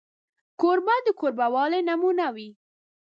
کوربه د کوربهوالي نمونه وي.